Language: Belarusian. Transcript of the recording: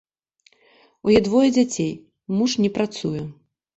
У яе двое дзяцей, муж не працуе.